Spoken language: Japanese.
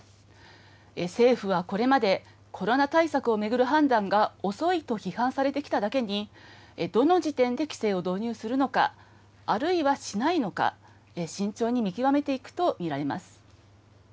政府はこれまでコロナ対策を巡る判断が遅いと批判されてきただけに、どの時点で規制を導入するのか、あるいはしないのか、慎重に見極めていくと見られます。